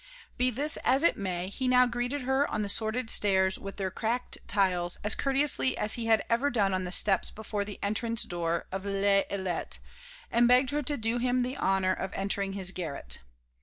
Be this as it may, he now greeted her on the sordid stairs with their cracked tiles as courteously as he had ever done on the steps before the entrance door of Les Ilettes, and begged her to do him the honour of entering his garret.